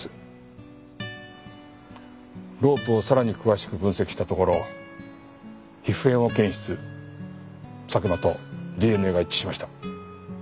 ロープをさらに詳しく分析したところ皮膚片を検出佐久間とＤＮＡが一致しました。